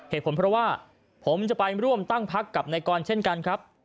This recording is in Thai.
เหตุผลเพราะว่าผมจะไปร่วมตั้งพักกับนายกรเช่นกันครับ